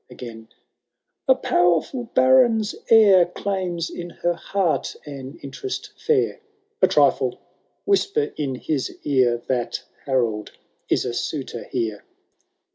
~ Again, " A powerful baron^s heir Claims in her heart an interest fair." —A trifle — ^whisper in his ear. That Harold is a suitor here